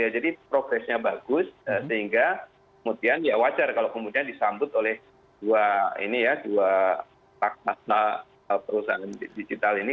jadi progresnya bagus sehingga kemudian ya wajar kalau kemudian disambut oleh dua taktas perusahaan digital ini